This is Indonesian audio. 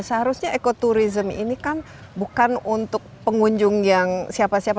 seharusnya ekoturism ini kan bukan untuk pengunjung yang siapa siapa